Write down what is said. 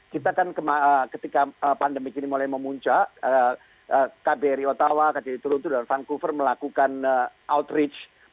kita kan ketika pandemi ini mulai memuncak kbri ottawa kbri toruntu dan vancouver melakukan outreach